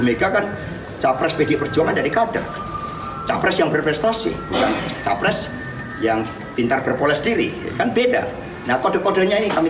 memang polisi kesin apa